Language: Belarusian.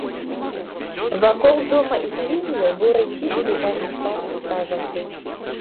Вакол дома і флігеляў быў разбіты пейзажны парк з сажалкай.